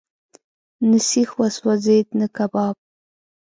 نه سیخ وسوځېد، نه کباب.